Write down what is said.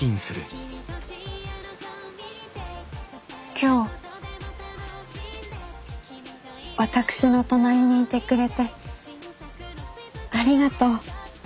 今日私の隣にいてくれてありがとう。